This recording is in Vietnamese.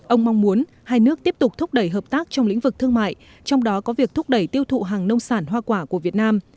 ông mong muốn hai nước tiếp tục thúc đẩy hợp tác trong lĩnh vực thương mại trong đó có việc thúc đẩy tiêu thụ hàng nông sản hoa quả của việt nam